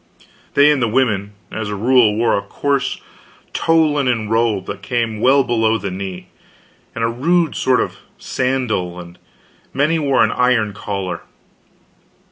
They and the women, as a rule, wore a coarse tow linen robe that came well below the knee, and a rude sort of sandal, and many wore an iron collar.